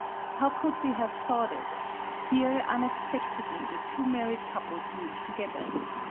How could we have thought it ! Here unexpectedly the two married couples meet together.